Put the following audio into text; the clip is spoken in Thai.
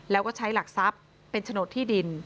แล้วก็ใช้หลักทรัพย์เป็นโฉนดที่ดิน